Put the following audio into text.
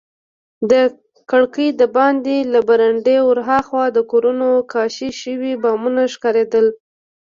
د کړکۍ دباندې له برنډې ورهاخوا د کورونو کاشي شوي بامونه ښکارېدل.